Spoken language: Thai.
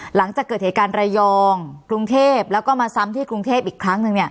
หลังจากเกิดเหตุการณ์ระยองกรุงเทพแล้วก็มาซ้ำที่กรุงเทพอีกครั้งหนึ่ง